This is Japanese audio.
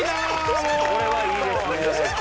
もうこれはいいですね